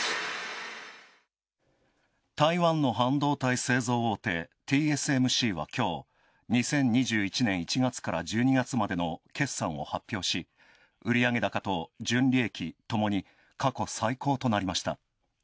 台湾の半導体製造大手ＴＳＭＣはきょう、２０２１年１月から１２月までの決算を発表し、売上高と純利益ともに過去最高となりました。